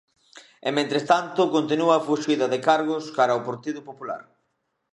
E mentres tanto, continúa a fuxida de cargos cara ao Partido Popular.